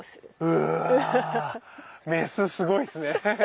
うわ雌すごいっすね。